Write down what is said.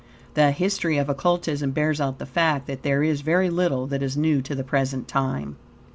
The history of Occultism bears out the fact that there is very little that is new to the present time.